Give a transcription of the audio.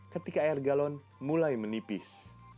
ketika air galon mulai menipis